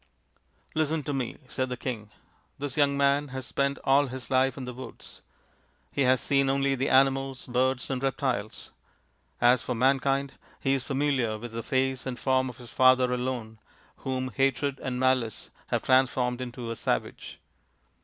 " Listen to me/ 5 said the king. " This young man has spent all his life in the woods : he has seen only the animals, birds, and reptiles. As for mankind he is familiar with the face and form of his father alone, whom hatred and malice have transformed into a savage.